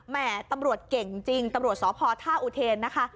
แม่ตำรวจเก่งจริงตำรวจสพท่าอุเทนนะคะ